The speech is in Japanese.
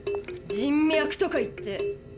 「人脈」とか言って。